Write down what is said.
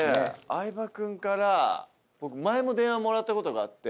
相葉君から僕前も電話もらったことがあって。